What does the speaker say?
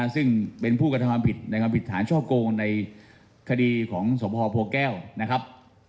ซึ่งเป็นผู้กระทำความผิดนะครับผิดฐานช่อโกงในคดีของสมโพแก้วนะครับ